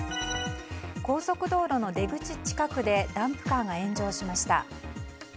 高速道路の出口近くでダンプカーが炎上しました。